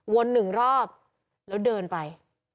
หนึ่งรอบแล้วเดินไป